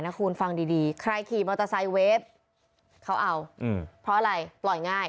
คุณฟังดีดีใครขี่มอเตอร์ไซค์เวฟเขาเอาเพราะอะไรปล่อยง่าย